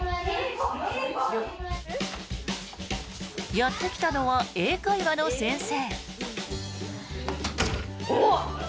やってきたのは英会話の先生。